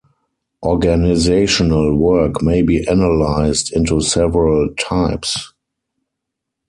Organizational work may be analyzed into several types.